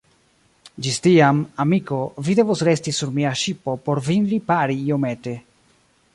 Ĝis tiam, amiko, vi devos resti sur mia ŝipo por vin ripari iomete.